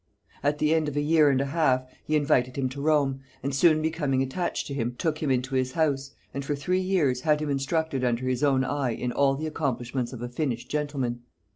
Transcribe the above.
At the end of a year and a half he invited him to Rome, and soon becoming attached to him, took him into his house, and for three years had him instructed under his own eye in all the accomplishments of a finished gentleman.